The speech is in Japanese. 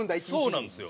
そうなんですよ。